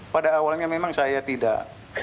pada awalnya memang saya tidak